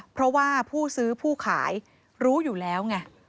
เพราะว่าผู้ซื้อผู้ขายรู้อยู่แล้วไง